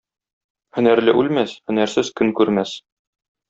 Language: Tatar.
Һөнәрле үлмәс, һөнәрсез көн күрмәс.